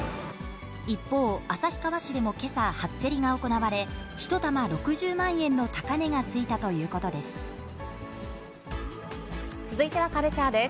一方、旭川市でもけさ、初競りが行われ、１玉６０万円の高値がついたということです。